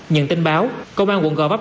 nhận tin báo công an quận gò vấp